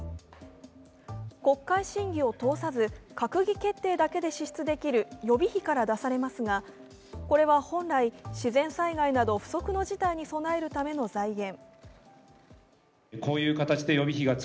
国会審議を通さず閣議決定だけで支出できる予備費から出されますがこれは本来、自然災害など不測の事態に備える財源。